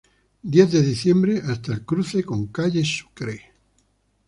Diez de Diciembre hasta el cruce con calle Sucre.